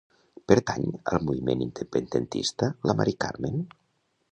Pertany al moviment independentista la Mari Carmen?